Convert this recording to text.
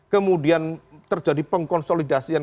kemudian terjadi pengkonsolidasian